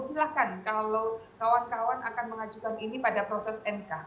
silahkan kalau kawan kawan akan mengajukan ini pada proses mk